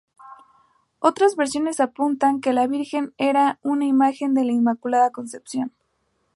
Otras versiones apuntan a que la Virgen era una imagen de la Inmaculada Concepción.